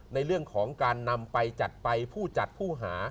ในเรื่องของการนำไปจัดไปผู้จัดผู้หา